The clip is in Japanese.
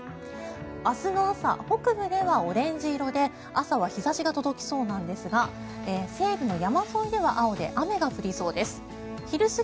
明日の朝、北部ではオレンジ色で朝は日差しが届きそうなんですが西部の山沿いでは青で雨が降りそうです。